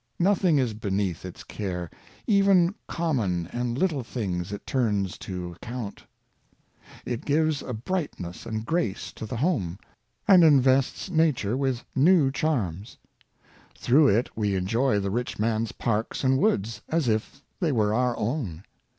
Nothing is beneath its care, even com mon and little things it turns to account. It gives a brightness and grace to the home, and invests nature with new charms. Through it we enjoy the rich man's parks and woods, as if they were our own.